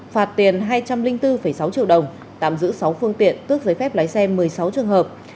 phạt tiền hai trăm linh bốn sáu triệu đồng tạm giữ sáu phương tiện tước giấy phép lái xe một mươi sáu trường hợp